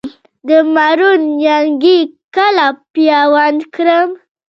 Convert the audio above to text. د مڼو نیالګي کله پیوند کړم؟